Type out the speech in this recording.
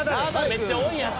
めっちゃ多いやん。